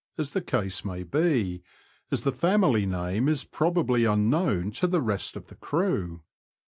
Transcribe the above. as the case may be, as the family name is probably unknown to the rest of the crew.